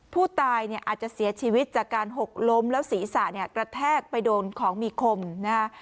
ผู้ตายเนี่ยอาจจะเสียชีวิตจากการหกล้มแล้วศีรษะเนี่ยกระแทกไปโดนของมีคมนะฮะ